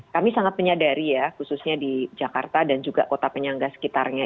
kami sangat menyadari ya khususnya di jakarta dan juga kota penyangga sekitarnya